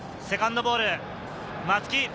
セカンドボール、松木。